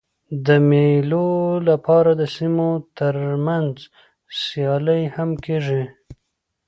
د مېلو له پاره د سیمو تر منځ سیالۍ هم کېږي.